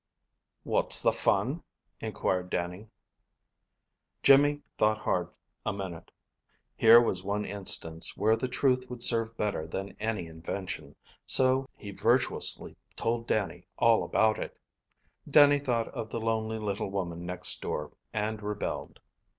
"What's the fun?" inquired Dannie. Jimmy thought hard a minute. Here was one instance where the truth would serve better than any invention, so he virtuously told Dannie all about it. Dannie thought of the lonely little woman next door, and rebelled.